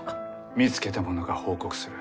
見つけた者が報告する。